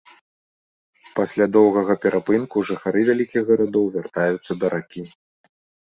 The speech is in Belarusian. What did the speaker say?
Пасля доўгага перапынку жыхары вялікіх гарадоў вяртаюцца да ракі.